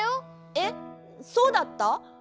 えっそうだった？